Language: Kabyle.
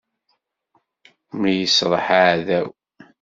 Mi yesraḥ aɛdaw.